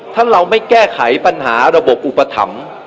ถ้าเราไม่แก้ไขปัญหาระบบอุปถัมภ์